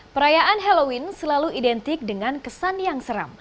perayaan halloween selalu identik dengan kesan yang seram